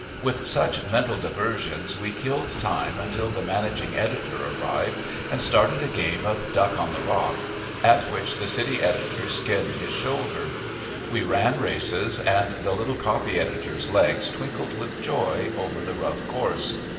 With such mental diversions we killed time until the managing editor arrived and started a game of duck on the rock, at which the city editor skinned his shoulder. We ran races, and the littlest copy reader's legs twinkled with joy over the rough course.